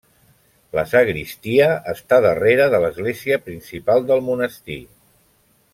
La sagristia està darrere de l'església principal del monestir.